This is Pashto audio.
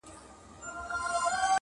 د لباس كيسې عالم وې اورېدلي.!